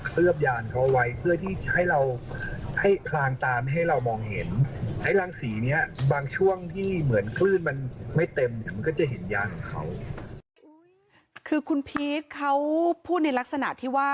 คือคุณพีชเขาพูดในลักษณะที่ว่า